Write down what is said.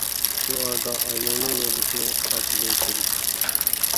شۇ ئارىدا ئاينۇرنىڭ يولدىشىنىڭ ئاچىلىرى كېلىشتى.